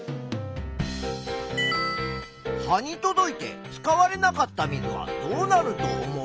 葉に届いて使われなかった水はどうなると思う？